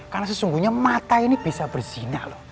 karena sesungguhnya mata ini bisa berzinah loh